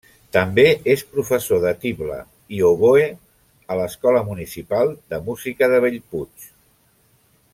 També és professor de tible i oboè a l'Escola Municipal de Música de Bellpuig.